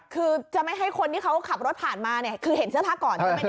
คือจะไม่ให้คนที่เขาขับรถผ่านมาคือเห็นเสื้อทะก่อน